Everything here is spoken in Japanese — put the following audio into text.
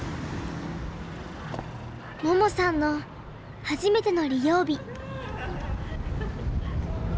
桃さんの初めての利用日。